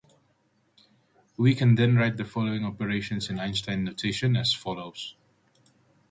We can then write the following operations in Einstein notation as follows.